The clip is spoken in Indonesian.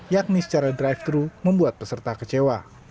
yakni secara drive thru membuat peserta kecewa